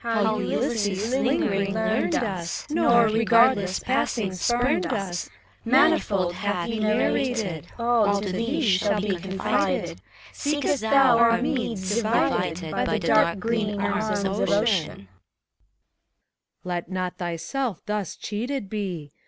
How Ulysses, lingering, learned us, Nor, regardless passing, spumed us, Manifold hath he narrated: All to thee shall be confided, Seekest thou our meads, divided By the dark green arms of Ocean. SPHINX. Let not thyself thus cheated be